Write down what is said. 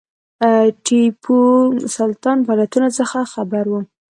ټیپو سلطان فعالیتونو څخه خبر وو.